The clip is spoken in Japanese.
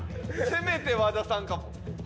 せめて和田さんかも。